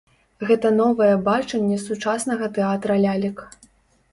Гэта новае бачанне сучаснага тэатра лялек.